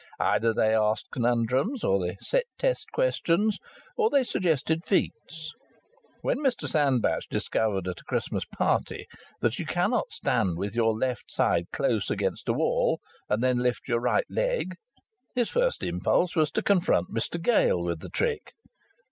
Either they asked conundrums, or they set test questions, or they suggested feats. When Mr Sandbach discovered at a Christmas party that you cannot stand with your left side close against a wall and then lift your right leg, his first impulse was to confront Mr Gale with the trick.